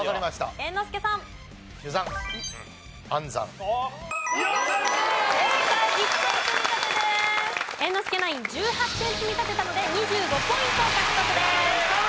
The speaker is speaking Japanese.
猿之助ナイン１８点積み立てたので２５ポイント獲得です。